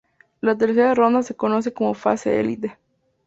La tercera ronda se conoce como "Fase Élite".